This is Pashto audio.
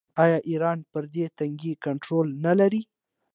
آیا ایران پر دې تنګي کنټرول نلري؟